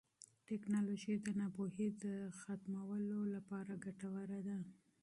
ټیکنالوژي د ناپوهۍ د ختمولو لپاره ګټوره ده.